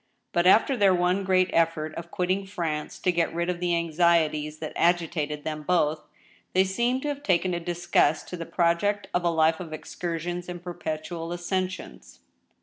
But after their one great effort of quitting France to get rid of the anxieties that agitated them both, they seemed to have taken a disgust to the project of a life of excursions and perpetual ascensions.